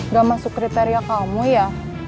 gak masuk kriteria kamu ya